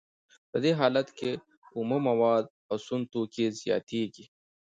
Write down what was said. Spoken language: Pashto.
په دې حالت کې اومه مواد او سون توکي زیاتېږي